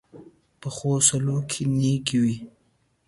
پخو سلوکو کې نېکي وي